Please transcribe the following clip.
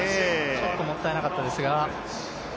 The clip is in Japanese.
ちょっともったいなかったですが。